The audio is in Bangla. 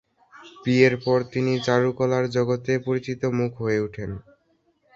বিয়ের পর তিনি চারুকলার জগতে পরিচিত মুখ হয়ে উঠেন।